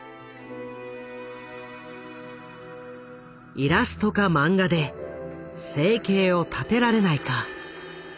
「イラストか漫画で生計を立てられないか」。